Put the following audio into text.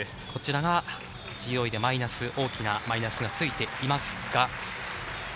こちらがＧＯＥで大きなマイナスがついていますが。